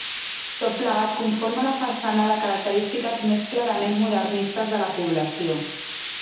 Tot plegat, conforma la façana de característiques més clarament modernistes de la població.